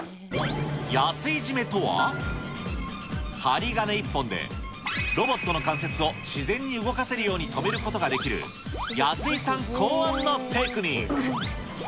ヤスイ締めとは、針金１本で、ロボットの関節を自然に動かせるように留めることができる、安居さん考案のテクニック。